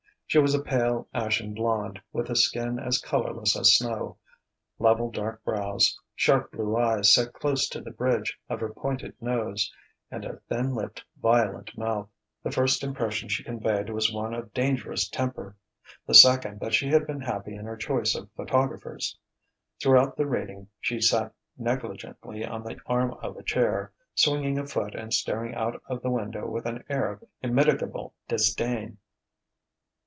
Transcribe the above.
She was a pale, ashen blonde, with a skin as colourless as snow, level dark brows, sharp blue eyes set close to the bridge of her pointed nose, and a thin lipped, violent mouth. The first impression she conveyed was one of dangerous temper; the second, that she had been happy in her choice of photographers. Throughout the reading, she sat negligently on the arm of a chair, swinging a foot and staring out of the window with an air of immitigable disdain.